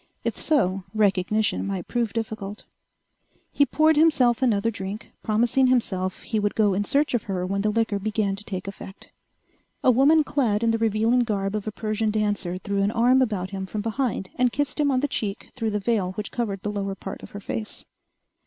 If so, recognition might prove difficult. He poured himself another drink, promising himself he would go in search of her when the liquor began to take effect. A woman clad in the revealing garb of a Persian dancer threw an arm about him from behind and kissed him on the cheek through the veil which covered the lower part of her face.